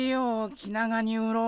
気長に売ろう。